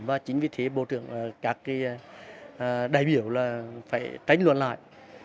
và chính vì thế các đại biểu phải tránh luận lại